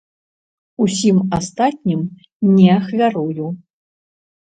Усім астатнім не ахвярую.